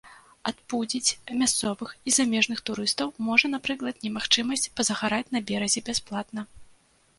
Адпудзіць мясцовых і замежных турыстаў можа, напрыклад, немагчымасць пазагараць на беразе бясплатна.